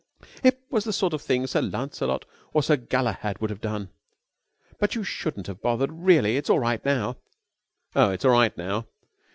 "It was the sort of thing Sir Lancelot or Sir Galahad would have done! But you shouldn't have bothered, really! It's all right now." "Oh, it's all right now?"